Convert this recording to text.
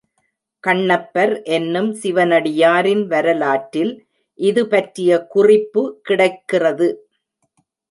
கண்ணப்பர் என்னும் சிவனடியாரின் வரலாற்றில் இது பற்றிய குறிப்பு கிடைக்கிறது.